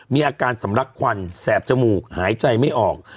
มีอาการสำลักควันแสบจมูกหายใจไม่ออก